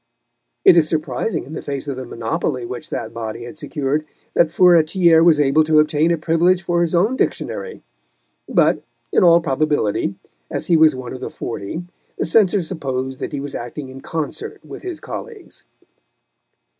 It is surprising, in the face of the monopoly which that body had secured, that Furetière was able to obtain a Privilege for his own Dictionary, but in all probability, as he was one of the Forty, the censors supposed that he was acting in concert with his colleagues.